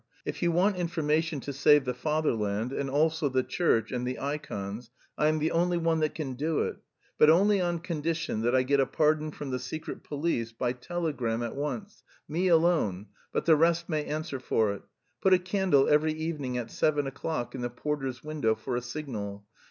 If you want information to save the Fatherland, and also the Church and the ikons, I am the only one that can do it. But only on condition that I get a pardon from the Secret Police by telegram at once, me alone, but the rest may answer for it. Put a candle every evening at seven o'clock in the porter's window for a signal.